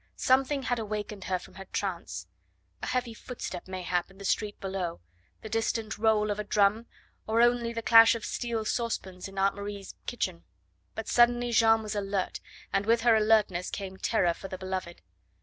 Something had awakened her from her trance a heavy footstep, mayhap, in the street below, the distant roll of a drum, or only the clash of steel saucepans in Aunt Marie's kitchen. But suddenly Jeanne was alert, and with her alertness came terror for the beloved.